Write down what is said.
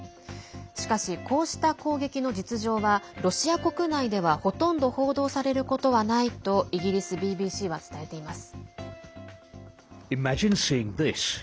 しかし、こうした攻撃の実情はロシア国内ではほとんど報道されることはないとイギリスＢＢＣは伝えています。